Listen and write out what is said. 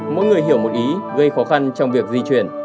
mỗi người hiểu một ý gây khó khăn trong việc di chuyển